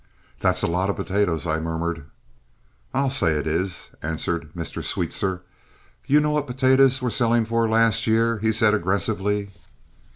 "That's a lot of potatoes," I murmured. "I'll say it is," answered Mr. Sweetser. "You know what potatoes were selling for last year?" he said aggressively.